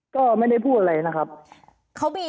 ก็ไม่ได้พูดอะไรนะครับ